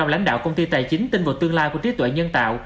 tám mươi chín lãnh đạo công ty tài chính tin vào tương lai của trí tuệ nhân tạo